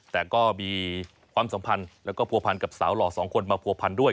แต่ก็มีความสัมพันธ์แล้วก็ผัวพันกับสาวหล่อสองคนมาผัวพันด้วย